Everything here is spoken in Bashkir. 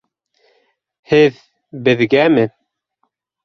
Һеҙ... беҙгәме?